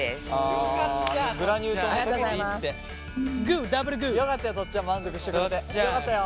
よかったよ